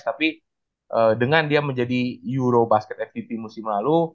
tapi dengan dia menjadi euro basket fvp musim lalu